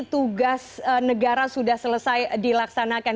tugas negara sudah selesai dilaksanakan